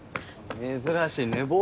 珍しい寝坊？